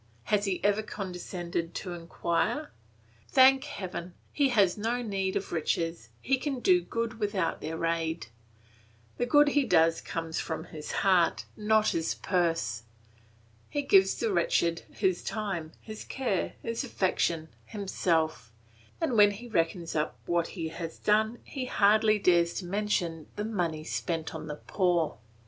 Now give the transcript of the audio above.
Has he ever condescended to inquire? Thank heaven, he has no need of riches, he can do good without their aid. The good he does comes from his heart, not his purse. He gives the wretched his time, his care, his affection, himself; and when he reckons up what he has done, he hardly dares to mention the money spent on the poor.